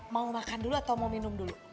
mau makan dulu atau mau minum dulu